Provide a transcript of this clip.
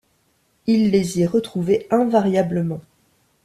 Il les y retrouvait invariablement.